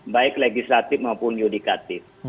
baik legislatif maupun yudikatif